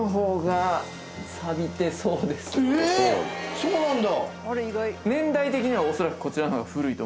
そうなんだ。